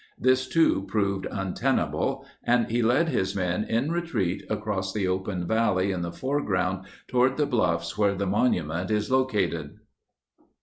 This, too, proved untenable, and he led his men in retreat across the open valley in the fore ground toward the bluffs where the monument is located.